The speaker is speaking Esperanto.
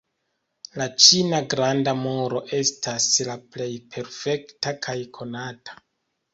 La ĉina Granda Muro estas la plej perfekta kaj konata.